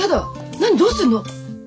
何どうすんの。